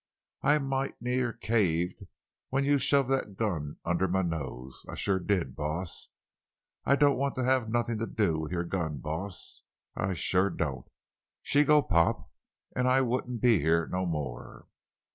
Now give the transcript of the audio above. I might' near caved when you shoved that gun under ma nose—I shuah did, boss. I don't want to have nothin' to do with your gun, boss—I shuah don't. She'd go 'pop,' an' I wouldn't be heah no more!